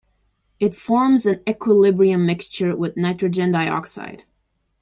It forms an equilibrium mixture with nitrogen dioxide.